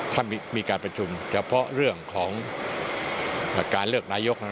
ถ้ามีการประชุมเฉพาะเรื่องของการเลือกนายก